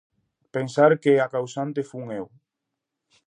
Pensar que a causante fun eu!